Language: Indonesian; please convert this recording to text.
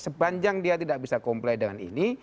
sepanjang dia tidak bisa comply dengan ini